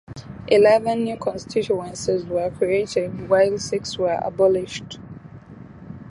Eleven new constituencies were created, while six were abolished.